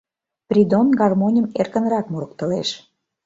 Придон гармоньым эркынрак мурыктылеш.